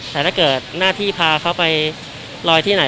ถ้าเกิดประจำนานล่ะ